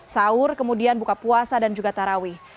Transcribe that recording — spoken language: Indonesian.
sahur kemudian buka puasa dan juga tarawih